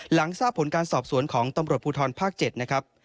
หลังทราบผลการสอบสวนของตำรวจภูทรภาค๗นะครับ